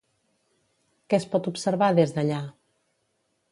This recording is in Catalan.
Què es pot observar des d'allà?